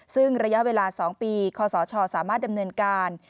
ซึ่งระยะเวลา๒ปีคศสามารถดำเนินการ